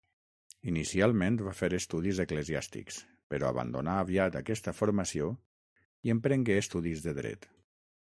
Inicialment va fer estudis eclesiàstics, però abandonà aviat aquesta formació i emprengué estudis de dret.